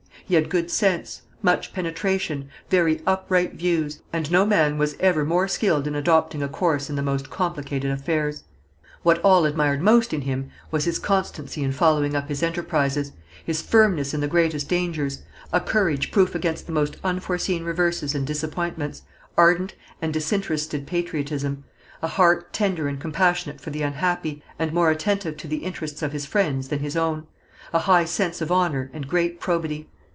He had good sense, much penetration, very upright views, and no man was ever more skilled in adopting a course in the most complicated affairs. What all admired most in him was his constancy in following up his enterprises, his firmness in the greatest dangers, a courage proof against the most unforeseen reverses and disappointments, ardent and disinterested patriotism, a heart tender and compassionate for the unhappy, and more attentive to the interests of his friends than his own, a high sense of honour and great probity.